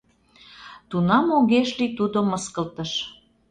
Тунам огеш лий тудо мыскылтыш.